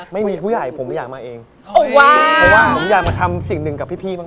ไม่มีผู้ใหญ่ผมไม่อยากมาเองเพราะว่าผมอยากมาทำสิ่งหนึ่งกับพี่พี่บ้าง